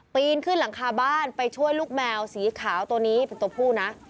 ปีนขึ้นหลังคาบ้านไปช่วยลูกแมวสีขาวตัวนี้เป็นตัวผู้นะ